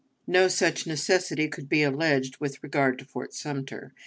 No such necessity could be alleged with regard to Fort Sumter.